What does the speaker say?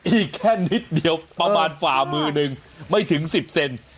อีกแค่นิดเดียวประมาณฝ่ามือหนึ่งไม่ถึง๑๐เซน